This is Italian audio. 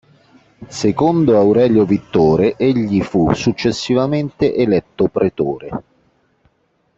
Secondo Aurelio Vittore egli fu successivamente eletto pretore.